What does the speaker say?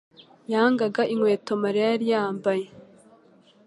yangaga inkweto Mariya yari yambaye.